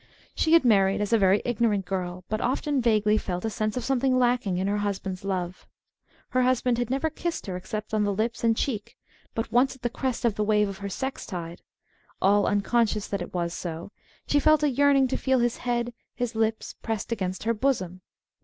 She had married as a very ignorant girl, but often vaguely felt a sense of something lacking in her husband's love. Her husband had never kissed her except on the lips and cheek, but once at the crest of the wave of her sex tide (all unconscious that it was so) she felt a yearning to feel his head, his lips, pressed against her bosom.